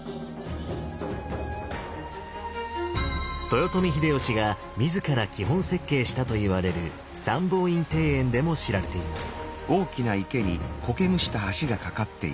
豊臣秀吉が自ら基本設計したといわれる三宝院庭園でも知られています。